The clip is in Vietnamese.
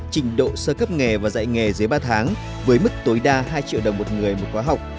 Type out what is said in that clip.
trình độ sơ cấp nghề và dạy nghề dưới ba tháng với mức tối đa hai triệu đồng một người một khóa học